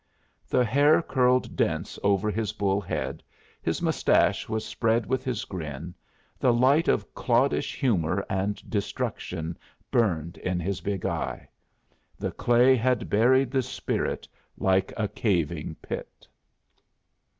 The hair curled dense over his bull head, his mustache was spread with his grin, the light of cloddish humor and destruction burned in his big eye. The clay had buried the spirit like a caving pit.